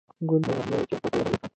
ګل مې را نیولی چې تاته یې ډالۍ کړم